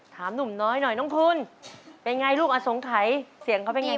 ถามหนุ่มน้อยหน่อยน้องพุนเป็นอย่างไรลูกอาทรงไขเสียงเขาเป็นอย่างไร